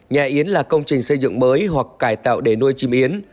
nhà yến là công trình xây dựng mới hoặc cải tạo để nuôi chim yến